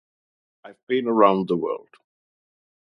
I've been around the world.